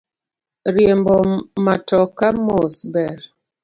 Riembo matoka mos ber.